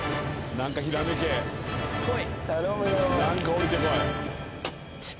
何か降りてこい！